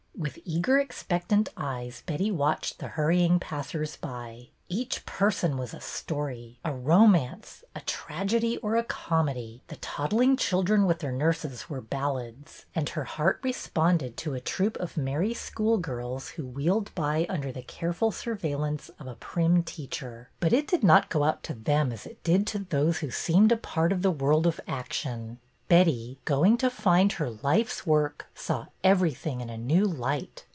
With eager, expectant eyes Betty watched the hurrying passers by. Each person was a story, a romance, a tragedy, or a comedy; the toddling children with their nurses were ballads; and her heart responded to a troop of merry schoolgirls who wheeled by under the careful surveillance of a prim teacher; but it did not go out to them as it did to those who seemed a part of the world of action. Betty, going to find her life's work, saw everything in a new light.